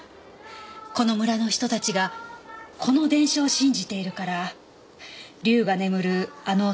この村の人たちがこの伝承を信じているから竜が眠るあの竜追